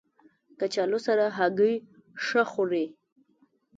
کچالو سره هګۍ ښه خوري